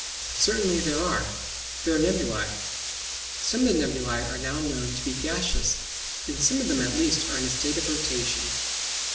Certainly there are; there are the nebulæ. Some of the nebulæ are now known to be gaseous, and some of them at least are in a state of rotation.